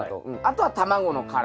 あとは卵の殻。